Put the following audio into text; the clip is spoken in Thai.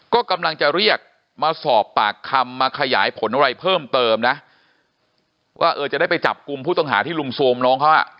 ก็กำลังจะเรียกมาสอบปากคำมาขยายผลอะไรเพิ่มเติมนะว่าเออจะได้ไปจับกลุ่มผู้ต้องหาที่ลุมโทรมน้องเขาอ่ะ